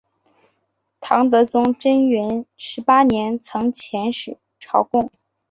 唐德宗贞元十八年曾遣使朝贡。